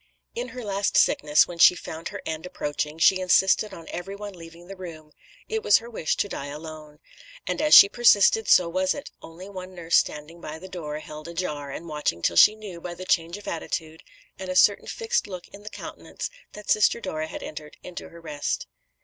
In her last sickness when she found her end approaching, she insisted on every one leaving the room it was her wish to die alone. And as she persisted, so was it, only one nurse standing by the door held ajar, and watching till she knew by the change of attitude, and a certain fixed look in the countenance, that Sister Dora had entered into her rest.